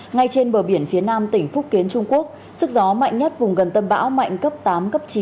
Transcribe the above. ngay trên bờ biển phía nam tỉnh phúc kiến trung quốc sức gió mạnh nhất vùng gần tâm bão mạnh cấp tám cấp chín